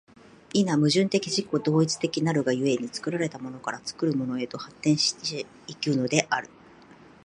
否、矛盾的自己同一的なるが故に、作られたものから作るものへと発展し行くのである。